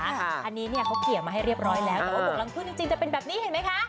อันนี้เนี่ยเขาเขียนมาให้เรียบร้อยแล้วแต่ว่าบกรังพึ่งจริงจะเป็นแบบนี้เห็นไหมคะ